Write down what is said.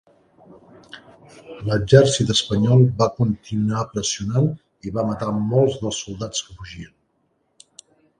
L'exèrcit espanyol va continuar pressionant i va matar molts dels soldats que fugien.